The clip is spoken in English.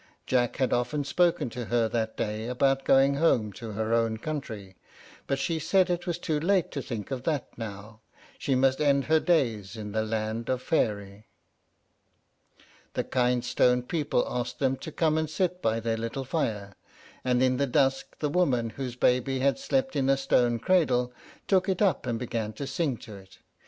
Jack had often spoken to her that day about going home to her own country, but she said it was too late to think of that now, and she must end her days in the land of Faery. The kind stone people asked them to come and sit by their little fire; and in the dusk the woman whose baby had slept in a stone cradle took it up and began to sing to it.